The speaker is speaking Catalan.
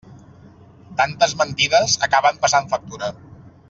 Tantes mentides acaben passant factura.